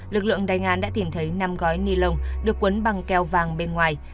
lực lượng đánh án đã tìm thấy năm gói ni lông được quấn bằng keo vàng bên ngoài